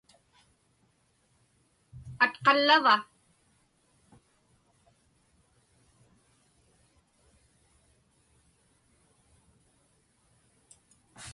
Atqallava?